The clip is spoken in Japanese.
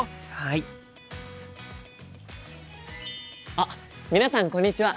あっ皆さんこんにちは！